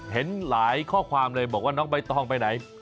เห็นหลายข้อความเลยบอกว่าน้องใบตองไปไหน